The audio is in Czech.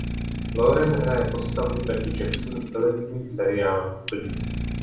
Lauren hraje postavu Becky Jackson v televizním seriálu "Glee".